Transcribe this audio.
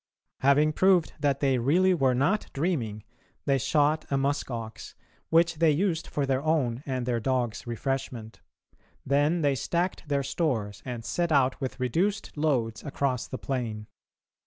Having proved that they really were not dreaming, they shot a musk ox, which they used for their own and their dogs' refreshment. Then they stacked their stores and set out with reduced loads across the plain.